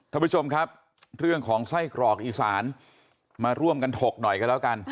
ท่านผู้ชมครับเรื่องของไส้กรอกอีสานมาร่วมกันถกหน่อยกันแล้วกัน